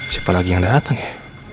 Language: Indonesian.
siapa lagi yang datang ya